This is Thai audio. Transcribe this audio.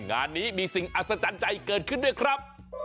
งานนี้มีสิ่งอัศจรรย์ใจเกิดขึ้นด้วยครับ